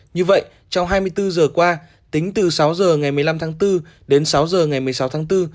như vậy trong hai mươi bốn giờ qua tính từ sáu giờ ngày một mươi năm tháng bốn đến sáu giờ ngày một mươi sáu tháng bốn